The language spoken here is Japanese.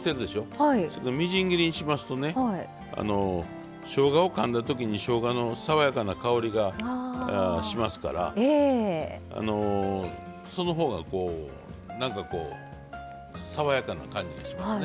みじん切りにしますとねしょうがをかんだときにしょうがの爽やかな香りがしますからそのほうがなんかこう爽やかな感じがしますね。